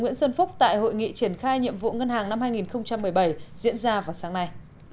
nguyễn xuân phúc tại hội nghị triển khai nhiệm vụ ngân hàng năm hai nghìn một mươi bảy diễn ra vào sáng nay